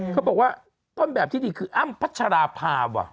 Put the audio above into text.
เขาบอกว่าต้นแบบที่ดีคืออ้ำพัชราภาว่ะ